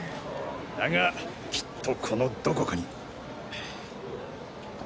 だがきっとこのどこかに。